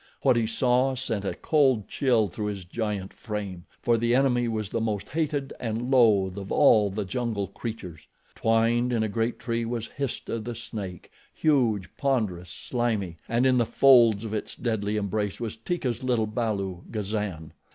What he saw sent a cold chill through his giant frame, for the enemy was the most hated and loathed of all the jungle creatures. Twined in a great tree was Histah, the snake huge, ponderous, slimy and in the folds of its deadly embrace was Teeka's little balu, Gazan.